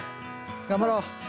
頑張ろう。